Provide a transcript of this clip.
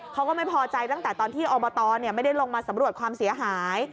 เขาก็ไม่พอใจตั้งแต่ตอนที่อบตไม่ได้ลงมาสำรวจความเสียหาย